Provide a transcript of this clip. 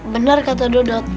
bener kata dodo